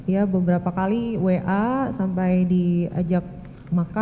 ya beberapa kali wa sampai diajak makan